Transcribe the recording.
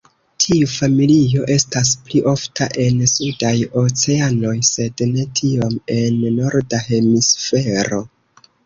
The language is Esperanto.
Tiu familio estas pli ofta en sudaj oceanoj sed ne tiom en Norda hemisfero.